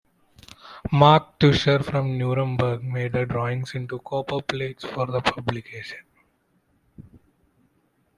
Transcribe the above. Mark Tuscher from Nuremberg made the drawings into copperplates for the publication.